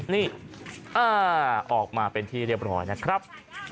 นี่ออกมาเป็นที่เรียบร้อยนะครับ